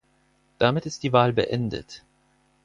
Damit ist die Wahl beendet.